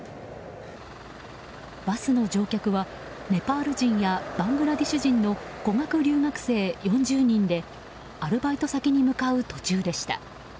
バスの乗客はネパール人やバングラデシュ人の語学留学生４０人でアルバイト先に向かう途中でした。